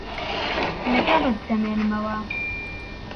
لەگەڵت دەمێنمەوە.